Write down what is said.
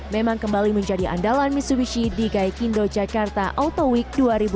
memang kembali menjadi andalan misuwishi di gaikindo jakarta auto week dua ribu dua puluh